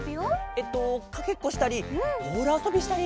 えっとかけっこしたりボールあそびしたり。